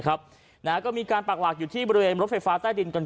ก็มีการปากหลักอยู่ที่บริเวณรถไฟฟ้าใต้ดินกัน